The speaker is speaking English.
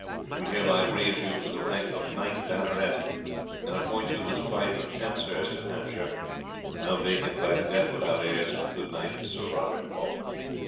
We hereby raise you to the rank of knight banneret, and appoint you to the fief of Penshurst in Hampshire, now vacant by the death without heirs of the good knight Sir Richard Fulk.